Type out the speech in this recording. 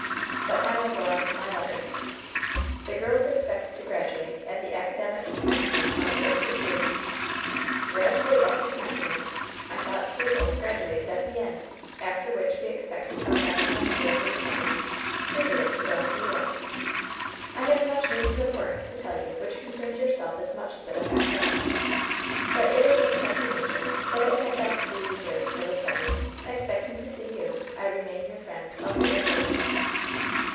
But now I'll go on with my letter :" 'The girls expect to graduate at the academic com mencement, on the first of Jime' — graduate at the com LOVE'S BITTEREST CUP 81 mencement ! I thought pupils graduated at the end !— ^after which we expect to come down to Mondreer for the summer, previous to going to Europe. I have much news of importance to tell you, which concerns yourself as much as it affects us ; but it is of such a nature that it had best be reserved for the present. Expecting to see you, I remain your friend, " ^LFBIDA FOEOB.'